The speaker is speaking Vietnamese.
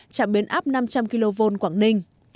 chạm biến áp năm trăm linh kv quảng ninh